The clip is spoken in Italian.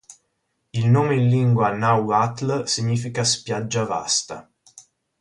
Il nome in lingua nahuatl significa "spiaggia vasta".